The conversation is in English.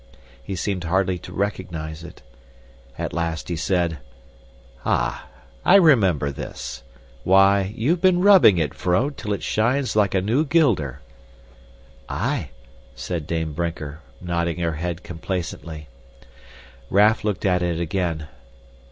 He seemed hardly to recognize it. At last he said, "Ah, I remember this! Why, you've been rubbing it, vrouw, till it shines like a new guilder." "Aye," said Dame Brinker, nodding her head complacently. Raff looked at it again.